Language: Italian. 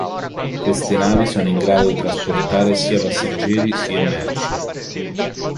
Queste navi sono in grado di trasportare sia passeggeri, sia merci.